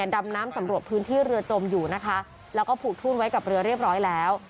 ดำน้ำสำรวจพื้นที่เรือจมอยู่นะคะแล้วก็ผูกทุ่นไว้กับเรือเรียบร้อยแล้ว